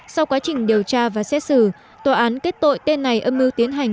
sau quá trình điều tra và xét xử tòa án kết tội tên này âm mưu tiến hành